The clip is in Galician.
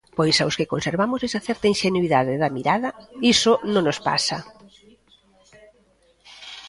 Pois aos que conservamos esa certa inxenuidade da mirada, iso non nos pasa.